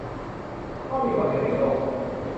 ก็มีคนเดียวในโลก